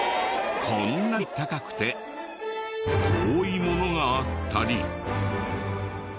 こんなに高くて遠いものがあったり。